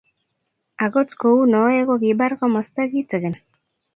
akot kou noe kokibar komosta kiteken